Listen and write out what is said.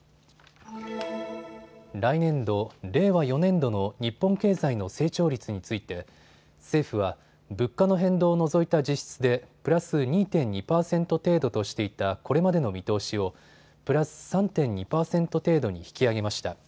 来年度・令和４年度の日本経済の成長率について政府は物価の変動を除いた実質でプラス２．２％程度としていたこれまでの見通しをプラス３．２％程度に引き上げました。